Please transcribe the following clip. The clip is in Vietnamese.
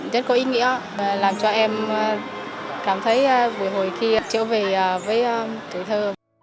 rất có ý nghĩa làm cho em cảm thấy vui hồi khi trở về với tuổi thơ